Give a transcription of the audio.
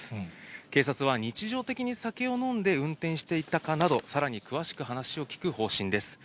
警察は、日常的に酒を飲んで運転していたかなど、さらに詳しく話を聞く方針です。